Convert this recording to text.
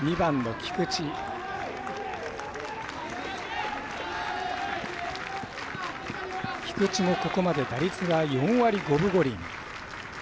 菊地もここまで打率が４割５分５厘。